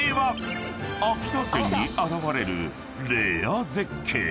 ［秋田県に現れるレア絶景］